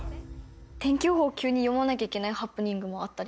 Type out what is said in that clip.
天気予報を急に読まなきゃいけないハプニングもあったり。